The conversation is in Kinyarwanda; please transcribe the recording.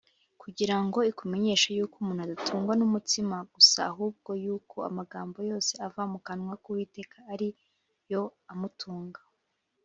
kugira ngo ikumenyeshe yuko umuntu adatungwa n’umutsima gusa, ahubwo yuko amagambo yose ava mu kanwa k’Uwiteka ari yo amutunga